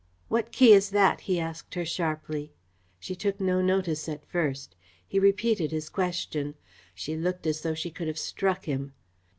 "What key is that?" he asked her sharply. She took no notice at first. He repeated his question. She looked as though she could have struck him.